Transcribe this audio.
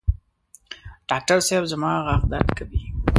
ډاکټر صېب زما غاښ درد کوي